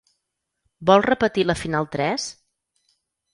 Vol repetir la final tres?